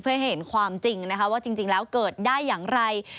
เพื่อให้เห็นความจริงนะคะว่าจริงแล้วเกิดได้อย่างไร